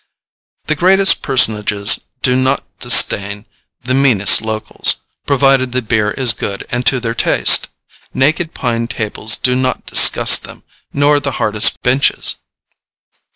The greatest personages do not disdain the meanest locals, provided the beer is good and to their taste. Naked pine tables do not disgust them, nor the hardest benches.